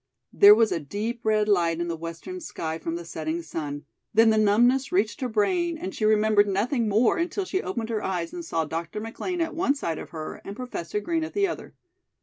There was a deep red light in the western sky from the setting sun, then the numbness reached her brain and she remembered nothing more until she opened her eyes and saw Dr. McLean at one side of her and Professor Green at the other.